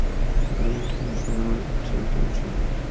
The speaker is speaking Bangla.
Grand national championship.